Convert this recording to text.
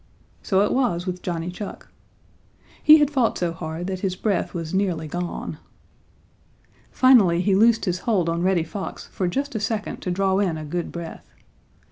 So it was with Johnny Chuck. He had fought so hard that his breath was nearly gone. Finally he loosed his hold on Reddy Fox for just a second to draw in a good breath.